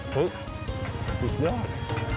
เฮ้ยสุดยอด